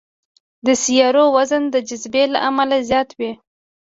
د سیارو وزن د جاذبې له امله زیات وي.